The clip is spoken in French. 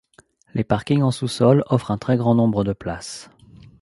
Les parkings en sous-sol offrent un très grand nombre de places.